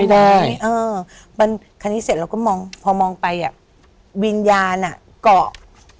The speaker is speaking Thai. อเรนนี่เมื่อคันนี้เสร็จเราก็มองพอมองไปอะวิญญาณอะเกาะ